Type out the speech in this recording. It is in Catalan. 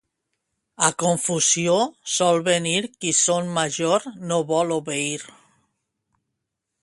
A confusió sol venir qui son major no vol obeir.